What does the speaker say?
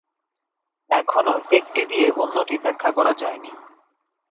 এখনও একটি দিয়ে অন্যটি ব্যাখ্যা করা যায়নি।